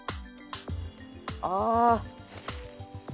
ああ。